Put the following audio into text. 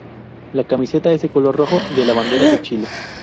La camiseta es del color rojo de la bandera de Chile.